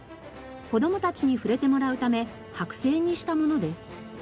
子供たちに触れてもらうため剥製にしたものです。